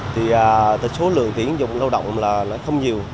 thì số lượng tiến dụng lưu động là không nhiều